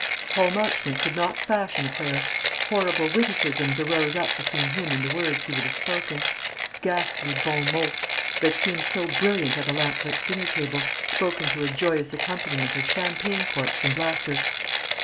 Paul Marchmont could not fashion a prayer. Horrible witticisms arose up between him and the words he would have spoken ghastly bon mots, that had seemed so brilliant at a lamp lit dinner table, spoken to a joyous accompaniment of champagne corks and laughter.